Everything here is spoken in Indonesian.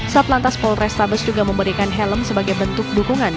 satlantas polrestabes juga memberikan helm sebagai bentuk dukungan